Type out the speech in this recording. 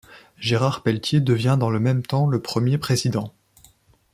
Gérard Pelletier devient dans le même temps le premier président.